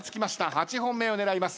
８本目を狙います。